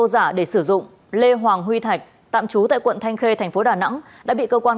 giả để sử dụng lê hoàng huy thạch tạm trú tại quận thanh khê thành phố đà nẵng đã bị cơ quan